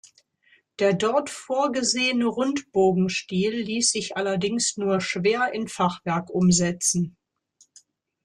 Der dort vorgesehene Rundbogenstil ließ sich allerdings nur schwer in Fachwerk umsetzen.